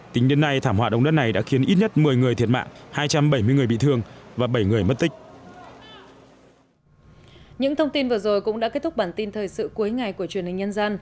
tính đến nay thảm họa động đất này đã khiến ít nhất một mươi người thiệt mạng hai trăm bảy mươi người bị thương và bảy người mất tích